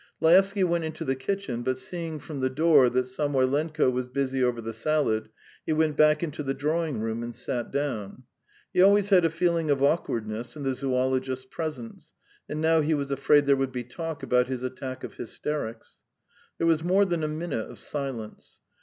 Laevsky went into the kitchen, but seeing from the door that Samoylenko was busy over the salad, he went back into the drawing room and sat down. He always had a feeling of awkwardness in the zoologist's presence, and now he was afraid there would be talk about his attack of hysterics. There was more than a minute of silence.